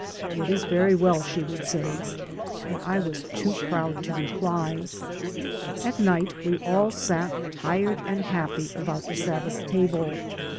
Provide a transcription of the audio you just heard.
" It is very well," she would say, and I was too proud to reply. At night we all sat tired and happy about the Sabbath table.